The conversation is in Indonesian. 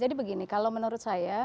jadi begini kalau menurut saya